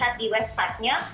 ada di websitenya